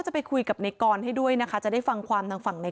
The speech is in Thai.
เด็กมันก็ตามเขามา